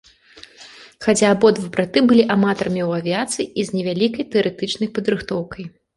Хаця абодва браты былі аматарамі ў авіяцыі і з невялікай тэарэтычнай падрыхтоўкай.